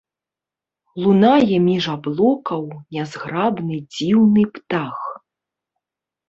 Лунае між аблокаў нязграбны дзіўны птах.